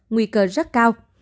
nguy cơ rất cao